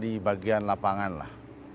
di bagian lapangan lah